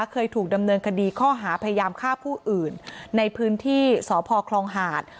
เคยถูกดำเนินคดีข้อหาพยายามฆ่าผู้อื่นในพื้นที่สพคลองหาด